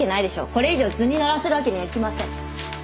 これ以上図に乗らせるわけにはいきません。